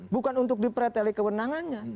bukan untuk dipereteli kewenangannya